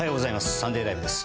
「サンデーＬＩＶＥ！！」です。